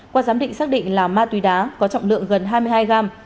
qua giám định xác định là ma túy đá có trọng lượng gần hai mươi hai g